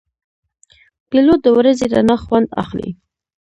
پیلوټ د ورځې رڼا خوند اخلي.